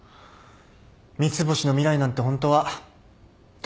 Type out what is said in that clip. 三ツ星の未来なんてホントはどうでもいいんだ。